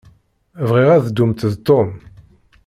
Bɣiɣ ad ddumt d Tom.